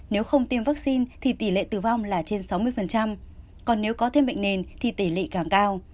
nếu không tiêm vaccine thì tỷ lệ tử vong là trên sáu mươi còn nếu có thêm bệnh nền thì tỷ lệ càng cao